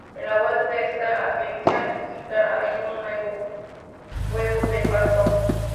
En la web de esta agencia digital hay un huevo de pascua.